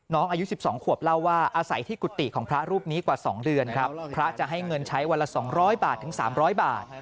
น้องอายุสิบสองขวบเล่าว่าอาศัยที่กุฏิของพระรูปนี้กว่าสองเดือนครับพระจะให้เงินใช้วันละสองร้อยบาทถึงสามร้อยบาท